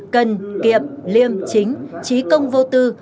cần kiệm liêm chính trí công vô tư